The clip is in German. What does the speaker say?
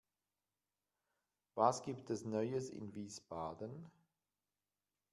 Was gibt es Neues in Wiesbaden?